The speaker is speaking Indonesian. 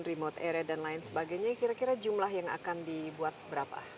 dan remote area dan lain sebagainya kira kira jumlah yang akan dibuat berapa